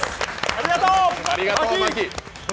ありがとう、巻！